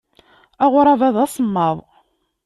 Aɣrab-a d asemmaḍ.